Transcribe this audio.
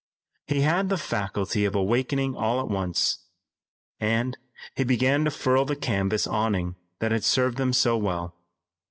He had the faculty of awakening all at once, and he began to furl the canvas awning that had served them so well.